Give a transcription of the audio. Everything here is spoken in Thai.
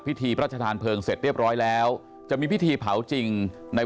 พิธีพระราชทานเพลิงเสร็จเรียบร้อยแล้วจะมีพิธีเผาจริงใน